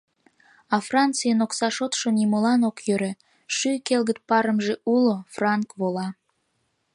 А Францийын окса шотшо нимолан ок йӧрӧ, шӱй келгыт парымже уло, франк вола...